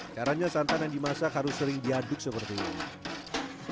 caranya santan yang dimasak harus sering diaduk seperti ini